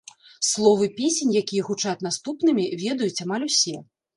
Словы песень, якія гучаць наступнымі, ведаюць амаль усе.